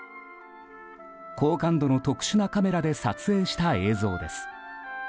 高感度の特殊なカメラで撮影した映像です。